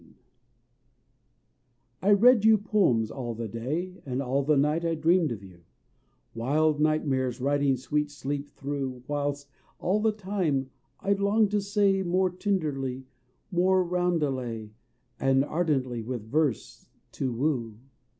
One Day I read you poems all the day, And all the night I dreamed of you, Wild nightmares riding sweet sleep through, Whilst all the time I longed to say More tenderly, my roundelay, And ardently with verse to woo.